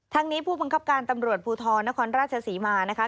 ทั้งนี้ผู้บังคับการตำรวจภูทรนครราชศรีมานะคะ